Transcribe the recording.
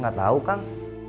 gak tau kang